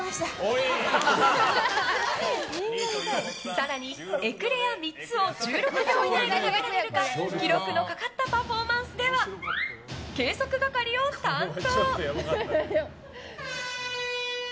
更にエクレア３つを１６秒以内に食べられるか記録のかかったパフォーマンスでは計測係を担当。